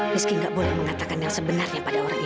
meski tidak boleh mengatakan yang sebenarnya pada orang ini